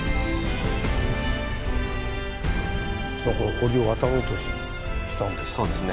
堀を渡ろうとしたんですかね。